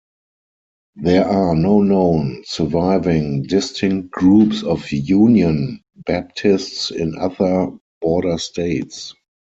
There are no known surviving distinct groups of "Union" Baptists in other border states.